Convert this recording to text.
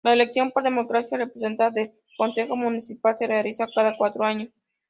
La elección por democracia representativa del consejo municipal se realiza cada cuatro años.